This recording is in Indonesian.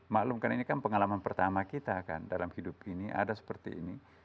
maklumkan ini kan pengalaman pertama kita kan dalam hidup ini ada seperti ini